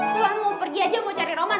pulang mau pergi aja mau cari roman